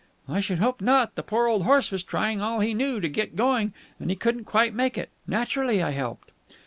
"I should hope not. The poor old horse was trying all he knew to get going, and he couldn't quite make it. Naturally, I helped."